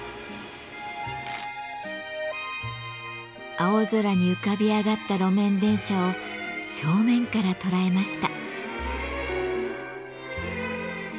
青空に浮かび上がった路面電車を正面から捉えました。